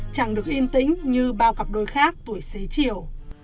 chẳng được yên tĩnh như bao cặp đôi khác tuổi xế chiều